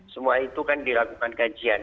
semua itu kan dilakukan kajian